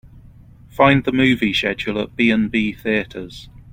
Find the movie schedule at B&B Theatres.